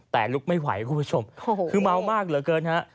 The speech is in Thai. แต่ลุกไม่ไหวคุณผู้ชมคือเมามากเหลือเกินฮะ